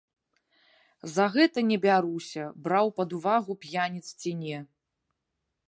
За гэта не бяруся, браў пад увагу п'яніц ці не.